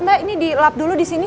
mbak ini dilap dulu disini